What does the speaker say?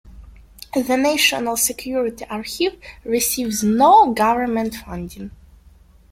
The National Security Archive receives no government funding.